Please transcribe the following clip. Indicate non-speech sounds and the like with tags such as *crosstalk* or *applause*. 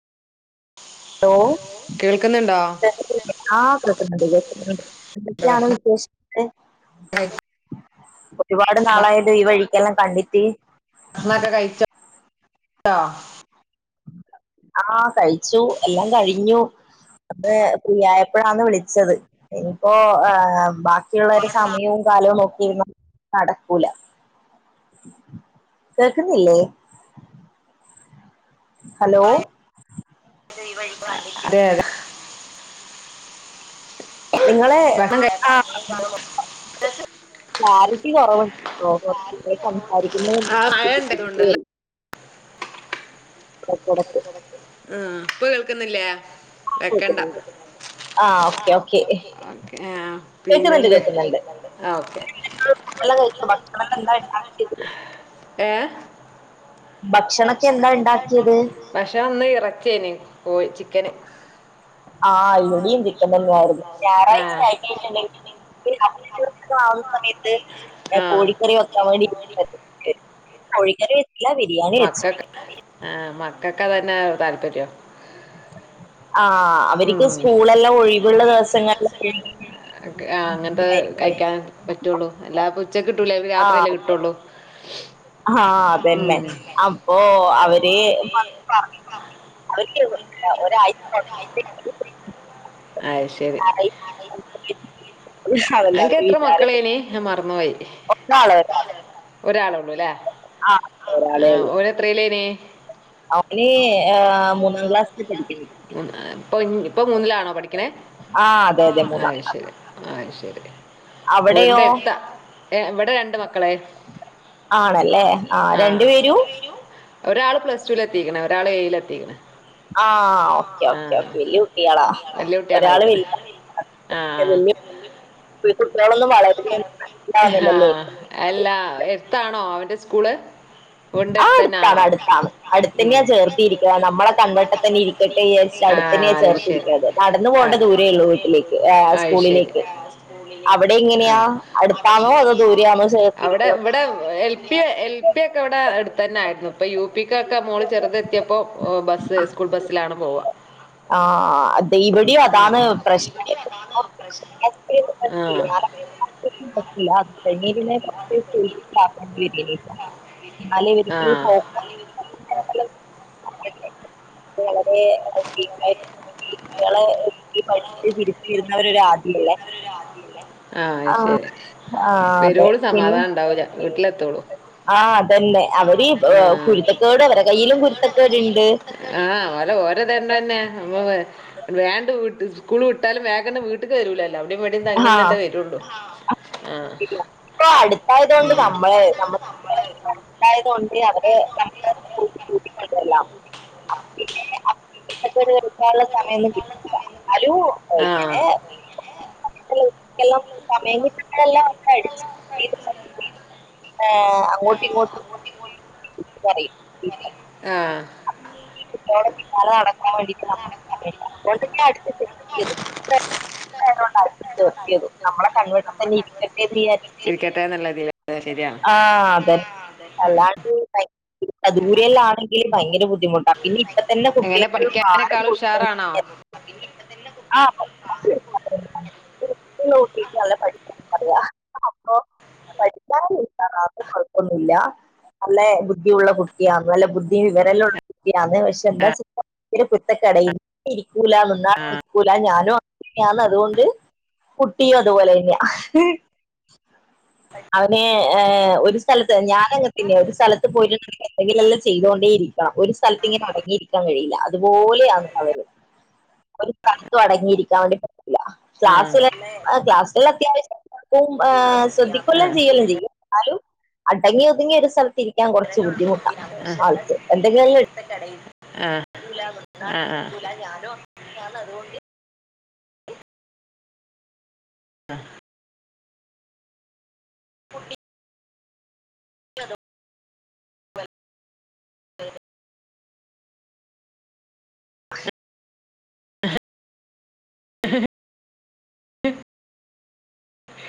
Hello ആ കേൾക്കുന്നുണ്ട് കേൾക്കുന്നുണ്ട് എന്തൊക്കെയാണ് വിശേഷം ആ ഒരുപാട് നാളായത് ഈ വഴിക്കെല്ലാം കണ്ടിട്ട് ഭക്ഷണം ഒക്കെ കഴിച്ചാ ആഹ കഴിച്ചു എല്ലാം കഴിഞ്ഞു അത് ഫ്രീയായപ്പോഴാാണ് വിളിച്ചത് ഇനിയിപ്പോ ബാക്കിയുള്ള ഒരു സമയവും കാലവും നോക്കിയിരുന്ന നടക്കൂല കേക്കുന്നില്ലേ ഹലോ അത് നിങ്ങളെ ഭക്ഷണം കഴി- ആ ക്ലാരിറ്റി കുറവുണ്ട്, സംസാരിക്കുമ്പോൾ ആ മഴ ബുദ്ധിമുട്ട് ഉണ്ടായതുകൊണ്ടല്ലേ വരുന്നു ഉം, ഇപ്പോ കേൾക്കുന്നില്ലേ വെക്കണ്ട കേൾക്കുന്നുണ്ട് ആഹ് ഓക്കെ ആഹ, ഓക്കെ ഓക്കേ ഒകെ കേൾക്കുന്നുണ്ട് പിന്നെന്ത് ഓക്കെ നമ്മളെല്ലാം കഴിച്ച്, ഭക്ഷണല്ലാം എന്താ ഉണ്ടാക്കിയേ ഏ ഭക്ഷണക്കെ എന്താ ഉണ്ടാക്കിയത് ഭക്ഷണം ഇന്ന് ഇറച്ചി ആയിന്ന്, കോഴി ചിക്കന് ആഹ് ഇവിടെയും ചിക്കൻ തന്നെയായിരുന്നു. ഞായറാഴ്ച ആയിട്ടുണ്ടെങ്കിൽ ഏ, ആഹ കോഴിക്കറി വെക്കാൻ വേണ്ടി കോഴിക്കറി വെച്ചില്ല ബിരിയാണി വെച്ചു മക്കൾക്കൊക്കെ ക്ക ആ മക്കൊക്കെ അത് തന്നെ താല്പര്യോ ആ അവർക്ക് സ്കൂളെല്ലാം സ്കൂൾ എല്ലാം ഒഴിവുള്ള ദിവസങ്ങളിലായിരിക്കും ദിവസങ്ങളിൽ, ആ അങ്ങനത്തെ കഴിക്കാൻ പറ്റുള്ളൂ അല്ലാതെ ഉച്ചക്ക് കിട്ടൂല്ലല്ലോ രാത്രി അല്ലെ കിട്ടോള്ളൂ ആഹ അതന്നെ അപ്പൊ അവര് വന്ന് പറഞ്ഞ ഒരാഴ്ച തൊട്ട് അയ്ശരി ഞായറാഴ്ച അതല്ല അനക്ക് അവര് എത്ര വിചാരിക്കും മക്കളേന്, ഞാൻ മറന്ന്പോയി ഒരാളെ ഒരാള് ഒരാള് ഉള്ളുല്ലേ, ആ ഒരാളെ ഉള്ളൂ ഓർ എത്രെയിലൈനി അവന് മൂന്നാം ക്ലാസ്സിൽ പഠിക്കു ഇപ്പൊ ഇപ്പൊ മൂന്നിലാണോ പഠിക്കണേ ആ അതെ അതെ മൂന്നാം അയ്ശരി അയ്ശരി അവിടെയോ വീടിന്റെ എടുത്ത, ഇവിടെ രണ്ട് മക്കളെ ആണല്ലേ ആ രണ്ടു പേരും ഒരാൾ പ്ലസ് ടുവിൽ എത്തിക്ക്ണ്, ഒരാൾ ഏഴിൽ എത്തിക്ക്ണ് ആഹ ഓക്കേ ഓക്കേ ഓക്കേ വല്യ കുട്ടികളാ ഒരാള് വലുത ആആആ കുട്ടികളൊന്നും വളരുന്ന ആഹ മനസ്സിലാവുന്നില്ലല്ലേ അല്ല എടുത്താണോ അവന്റെ സ്കൂള് വീടിന്റെ ആ അടുത്ത് തന്നെ അടുത്താണ് ആണോ അടുത്താണ്! ഉം. അടുത്തന്നെയാ ചേർത്തിരിക്ക നമ്മളെ കൺ വെട്ടെതന്നെ ഇരിക്ക ട്ട് വിചാരിച്ച് അടുത്തന്നെയ ആ, അത് ശരി. ചേർത്തിരിക്കത് നടന്ന പോകേണ്ട ദൂരേ ഉള്ളൂ വീട്ടിലേക്ക് ഏ അത് ശരി സ്കൂളിലേക്ക് അവിടെ എങ്ങനെയാ? ആ അടുത്താണോ അതോ ദൂരയാണോ അവിടെ ചേർത്തിരിക്കുന്നത്? ഇവിടെ എൽ പി എൽ പി ഒക്കെ ഇവിടെ അടുത്ത് തന്നെയാരുന്നു ഇപ്പ യു പി ക്കൊക്കെ മോള് ചെറുതെത്തിയപ്പോ ഒ ബസ്സ് സ്കൂൾ ബസ്സിലാണ് പോവ ആ അതെ ഇവിടെയും അതാണ് പ്രശ്നം ആ പറ്റില്ല *unintelligible* *unintelligible* *unintelligible* കുട്ടികളെ തിരിച്ചിരുന്നവരൊ ആദ്യല്ലേ ആ ശരി അതെ വെരേുളം പിന്നെ സമാധാനം ഉണ്ടാവൂില്ല വീട്ടിലെത്തോളം ആ അതന്നെ അവര് ഏ, കുരുത്തക്കേട് അവരെ കയ്യിലും കുരുത്തക്കേടുണ്ട് ആ ആ ഓല ഓരോതെന്നെ െമ്മ വേണ്ട സ്കൂൾ വിട്ടാലും വേഗ വീട്ട്ക്ക് വരുൂലല്ലോ അടെ വിടിം തങ്ങി ആ നിന്നിട്ടെ വരുള്ളൂ ആ ആ ഇപ്പൊ അടുത്തായതുകൊണ്ട് അതായിതോണ്ട് അവര് *unintelligible* അപ്പൊ പിന്നെ രുാനുള്ള സമയംന്നും കിട്ടില്ല അതും ആ പോയിക്കാംമയി *unintelligible* ല്ല കൊടിച്ച് *unintelligible* ആ അങ്ങോട്ടുമിങ്ങോട്ടും പറിയ് ആഹ് *inaudible* ചയ നമ്മളെ കൺവെട്ടം തന്നെ ഇരിക്കട്ടെന്ന് വിചാരിച്ചിട്ട് ഇരിക്കട്ടെ എന്നുള്ള ഇതിൽ ശരിയാണ് ആ അതെന്നെ അല്ലാണ്ട് *unintelligible* ദൂരെല്ലാണെങ്കിലും ഭയങ്കര ബുദ്ധിമുട്ടാ പിന്നിം ഇപ്പ തന്നെ എങ്ങനെ കുട്ടികക്ക് ഭാരം കൊടുക്കാതിരി ഇപ്പത്തന്നെ കുട്ടിക്കൾക്ക് ആഹാരം ഒടിപി ല്ലട്ടല്ല പ പറയാ പഠിക്കാനും *unintelligible* കൊഴപ്പൊന്നുല്ല നല്ലെ ബുദ്ധിയുള്ള കുട്ട്യാ നല്ല ബുദ്ധി ദ്ധിയും വിവരുള്ള കുട്ടിയാന്ന് പക്ഷെ എന്താ ചെയ്യാ *unintelligible* കുരുത്തകേട് *unintelligible* സ്കൂല നിന്നാ സ്കൂലാ ഞാനും ഞാനതുകൊണ്ട് കുട്ടിയും അതുപോലെ തന്നെയാ അവനേ ഏഹ് ഒരു സ്ഥലത്ത് ഞാനങ്ങത്തന്നെയാ ഒരു സ്ഥലത്ത് പോയിട്ട്ണ്ടങ്കി എന്തെങ്കിലെല്ലാ ചെയ്തോണ്ടേ ഇരി ആ ഒരു സ്ഥലത്ത് ഇങ്ങനെ അടങ്ങിയിരിക്കാൻ കഴിയില്ല അതുപോലെയാന്ന് അവര് ഒരു സ്ഥലത്തു അടങ്ങിയിരിക്കാണ്ട് ആഹ്‌ എല്ല അത്യാവശ്യം ശ്രദ്ധിക്കൂല്ല ചെയ്യല്ല ചെയ്യ അടങ്ങി ഒതുങ്ങി ഒരു സ്ഥല ആഹ് എന്തെങ്കിലും എ ഏ *unintelligible* ആഹ് പുട്ടി ചലോ *unintelligible* *unintelligible* *unintelligible*